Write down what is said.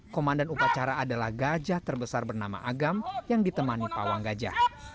komandan upacara adalah gajah terbesar bernama agam yang ditemani pawang gajah